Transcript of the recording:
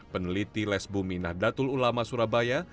peneliti lesbumi nahdlatul ulama surabaya